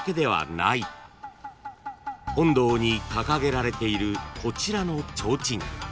［本堂に掲げられているこちらの提灯］